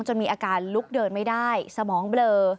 มีอาการลุกเดินไม่ได้สมองเบลอ